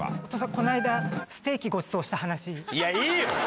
この間、ステーキごちそうしいや、いいよ！